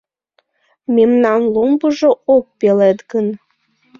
Мемнан ломбыжо ок пелед гын